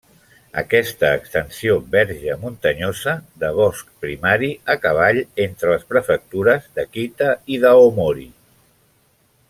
Aquesta extensió verge muntanyosa, de bosc primari a cavall entre les prefectures d'Akita i d'Aomori.